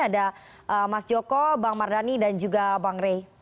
ada mas joko bang mardhani dan juga bang rey